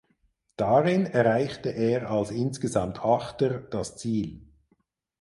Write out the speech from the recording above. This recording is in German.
Darin erreichte er als insgesamt Achter das Ziel.